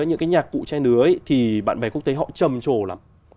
những cái nhạc cụ che nứa thì bạn bè quốc tế họ trầm trồ lắm